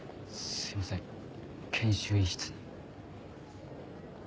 すいません研修医室に。